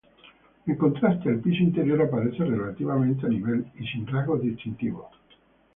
En contraste, el piso interior aparece relativamente a nivel y sin rasgos distintivos.